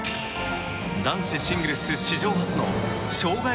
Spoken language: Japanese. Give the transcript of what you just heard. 男子シングルス史上初の生涯